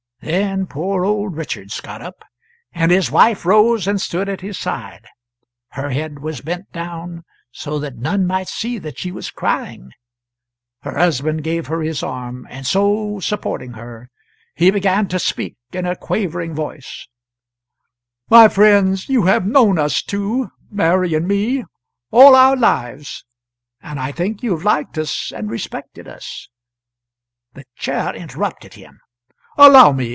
Then poor old Richards got up, and his wife rose and stood at his side. Her head was bent down, so that none might see that she was crying. Her husband gave her his arm, and so supporting her, he began to speak in a quavering voice: "My friends, you have known us two Mary and me all our lives, and I think you have liked us and respected us " The Chair interrupted him: "Allow me.